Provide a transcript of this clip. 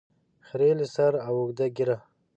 خریلي سر او اوږده ږیره